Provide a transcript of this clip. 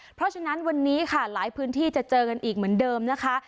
เพราะฉะนั้นวันนี้ค่ะหลายพื้นที่จะเจอกันอีกเหมือนเดิมนะคะ